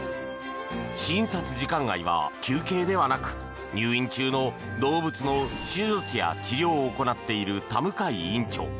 診察時間外は休憩ではなく入院中の動物の手術や治療を行っている、田向院長。